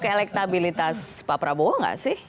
ke elektabilitas pak prabowo nggak sih